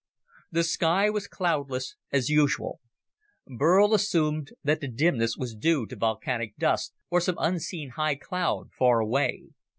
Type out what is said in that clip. The sky was cloudless as usual. Burl assumed that the dimness was due to volcanic dust, or some unseen high cloud far away.